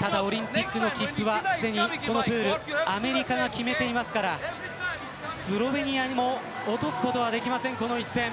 ただオリンピックの切符はすでにこのプールアメリカが決めていますからスロベニアにも落とすことはできない、この一戦。